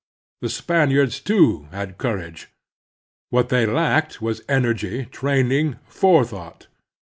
The Spaniards, too, had coiuage. What they lacked was energy, training, forethought.